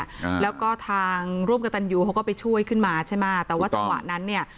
อ่าแล้วก็ทางร่วมกับตันยูเขาก็ไปช่วยขึ้นมาใช่ไหมแต่ว่าจังหวะนั้นเนี่ย